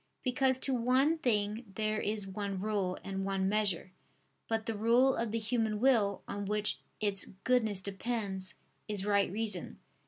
Because to one thing there is one rule and one measure. But the rule of the human will, on which its goodness depends, is right reason.